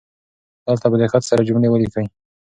دلته په دقت سره جملې ولیکئ.